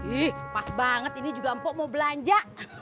ih pas banget ini juga empuk mau belanja